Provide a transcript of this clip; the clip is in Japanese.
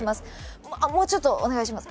もうちょっとお願いします。